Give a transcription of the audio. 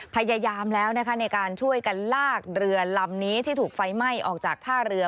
พยายามแล้วนะคะในการช่วยกันลากเรือลำนี้ที่ถูกไฟไหม้ออกจากท่าเรือ